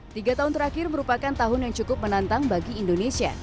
tiga tahun terakhir merupakan tahun yang cukup menantang bagi indonesia